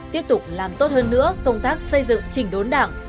tiếp tục làm tốt hơn nữa công tác xây dựng trình đốn đảng